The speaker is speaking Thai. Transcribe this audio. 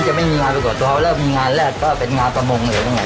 จะไม่มีงานประกอบตัวแล้วมีงานแรกก็เป็นงานประมงเหมือนกันไง